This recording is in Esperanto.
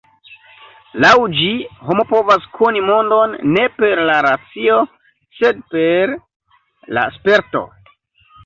Laŭ ĝi homo povas koni mondon ne per la racio sed per la sperto.